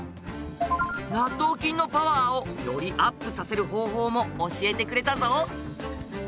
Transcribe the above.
納豆菌のパワーをよりアップさせる方法も教えてくれたぞ。